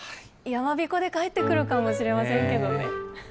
やまびこで返ってくるかもしれませんけどね。